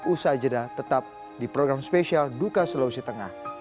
usai jeda tetap di program spesial duka sulawesi tengah